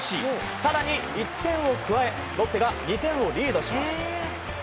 更に１点を加えロッテが２点をリードします。